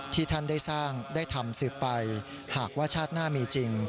ที่ท่านได้สร้างได้ทำสืบไปหากว่าชาติหน้ามีจริง